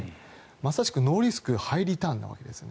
まさしくノーリスク・ハイリターンな訳です。